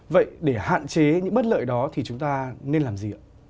vậy để hạn chế những bất lợi đó thì chúng ta nên làm gì ạ